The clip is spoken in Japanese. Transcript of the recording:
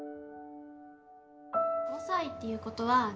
５歳っていうことは年長さん？